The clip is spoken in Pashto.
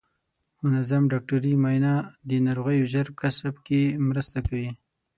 منظم ډاکټري معاینه د ناروغیو ژر کشف کې مرسته کوي.